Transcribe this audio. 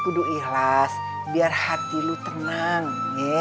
hai lu kudu ikhlas biar hati lu tenang ya